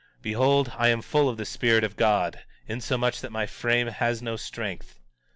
Behold, I am full of the Spirit of God, insomuch that my frame has no strength.